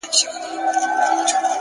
خپل قوتونه هره ورځ وده ورکړئ